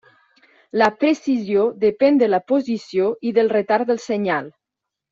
La precisió depèn de la posició i del retard del senyal.